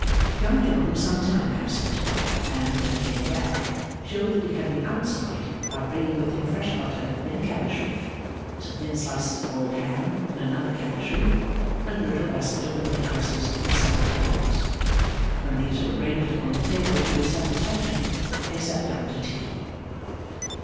Young John was some time absent, and, when he came back, showed that he had been outside by bringing with him fresh butter in a cabbage leaf, some thin slices of boiled ham in another cabbage leaf, and a little basket of water cresses and salad herbs. When these were arranged upon the table to his satisfaction, they sat down to tea.